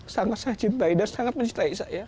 sangat saya cintai dan sangat mencintai saya